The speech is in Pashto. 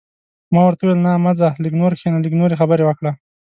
ما ورته وویل: نه، مه ځه، لږ نور کښېنه، لږ نورې خبرې وکړه.